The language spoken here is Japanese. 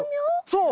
そう！